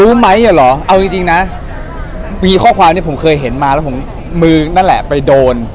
อ่ะเหรอเอาจริงจริงนะมีข้อความที่ผมเคยเห็นมาแล้วผมมือนั่นแหละไปโดน